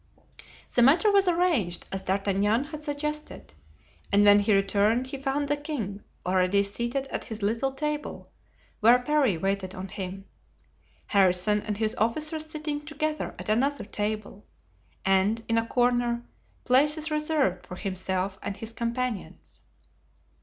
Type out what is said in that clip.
The matter was arranged as D'Artagnan had suggested, and when he returned he found the king already seated at his little table, where Parry waited on him, Harrison and his officers sitting together at another table, and, in a corner, places reserved for himself and his companions.